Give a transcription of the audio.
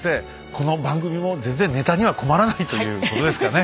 この番組も全然ネタには困らないということですかね。